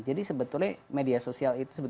jadi sebetulnya media sosial itu